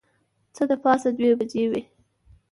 څه د پاسه دوې بجې وې.